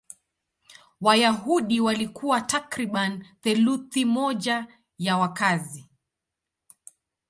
Wayahudi walikuwa takriban theluthi moja ya wakazi.